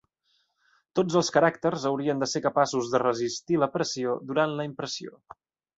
Tots els caràcters haurien de ser capaços de resistir la pressió durant la impressió.